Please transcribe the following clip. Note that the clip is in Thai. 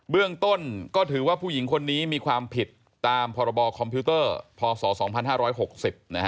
เรื่องต้นก็ถือว่าผู้หญิงคนนี้มีความผิดตามพคพศ๒๕๖๐